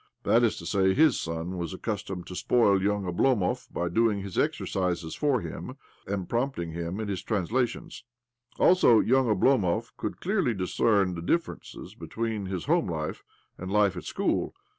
That is to say, his son was accustomied to spoil ISO OBLOMOV young Oblomov by doing his exercises for him, and prompting him in his translations. Also, young Oblomov could clearly discern the differences between his home life and life at school.